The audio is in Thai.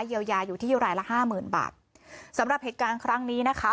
เยียวยาอยู่ที่รายละห้าหมื่นบาทสำหรับเหตุการณ์ครั้งนี้นะคะ